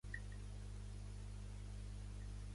Clark, el notori propietari de Gometra i Ulva.